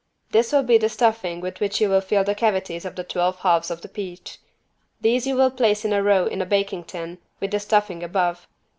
This will be the stuffing with which you will fill the cavities of the twelve halves of peach. These you will place in a row in a baking tin, with the stuffing above.